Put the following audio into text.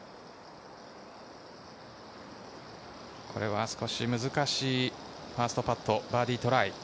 これは少し難しいファーストパット、バーディートライ。